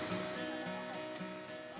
mereka bisa membeli gudeg